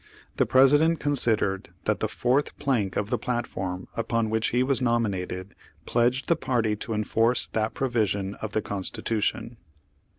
The President considered that the fourth plank of the platform upon which he was nomi nated, pledged the party to enforce that provision Page Forty eight of the Constitution.